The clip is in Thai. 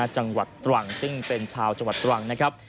จังหวัดตรังซึ่งเป็นชาวจังหวัดตรังนะครับ